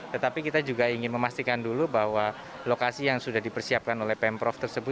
tetapi kita juga ingin memastikan dulu bahwa lokasi yang sudah dipersiapkan oleh pemprov tersebut